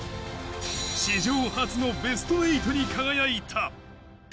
史上初のベスト８に輝いた。